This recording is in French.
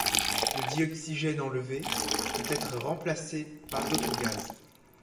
Le dioxygène enlevé peut être remplacé par d’autres gaz.